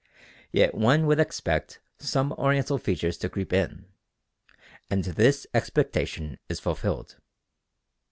Yet one would expect some Oriental features to creep in; and this expectation is fulfilled.